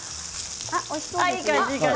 いい感じ。